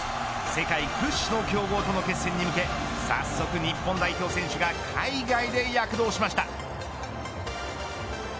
世界屈指の強豪との決戦に向け早速、日本代表選手が海外で躍動しました。